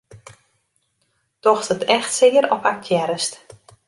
Docht it echt sear of aktearrest?